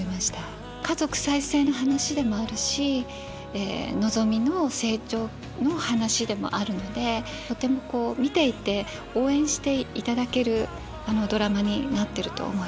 家族再生の話でもあるしのぞみの成長の話でもあるのでとてもこう見ていて応援していただけるドラマになってると思います。